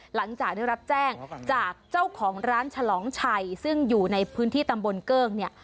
หลังจากได้รับแจ้งจากเจ้าของร้านฉลองชัยซึ่งอยู่ในพื้นที่ตำบลเกิ้งเนี่ย